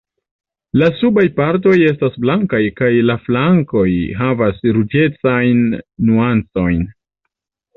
La subaj partoj estas blankaj kaj la flankoj havas ruĝecajn nuancojn.